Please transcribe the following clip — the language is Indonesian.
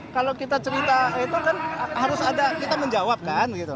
kalau kita cerita itu kan harus kita menjawabkan